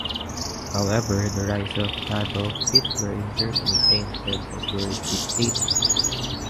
However the rise of Adolf Hitler in Germany tainted the word 'dictator'.